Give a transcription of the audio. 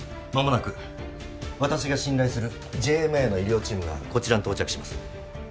間もなく私が信頼するＪＭＡの医療チームがこちらに到着します。